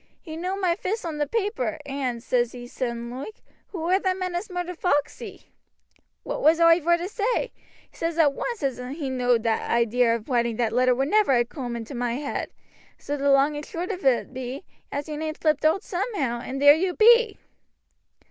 He knowed my fist on the paper, and, says he, sudden loike, 'Who war the man as murdered Foxey?' What was oi vor to say? He says at once as he knowed the idea of writing that letter would never ha' coom into my head; and so the long and short of it be, as your name slipped owt somehow, and there you be."